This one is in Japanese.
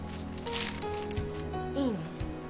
いいの？